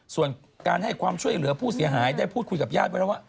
ส่วนการให้ความช่วยเหลือผู้เสียหายได้พูดคุยกับญาติไว้แล้วว่า